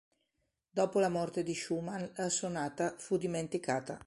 Dopo la morte di Schumann la sonata fu dimenticata.